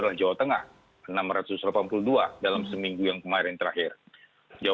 agar matamu jumpa yang parece ke dunia